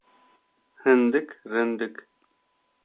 Hindik rindik.